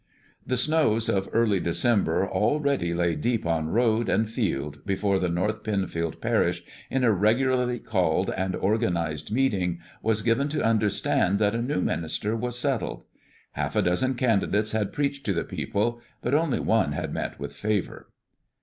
The snows of early December already lay deep on road and field before the North Penfield Parish, in a regularly called and organized meeting, was given to understand that a new minister was settled. Half a dozen candidates had preached to the people but only one had met with favor.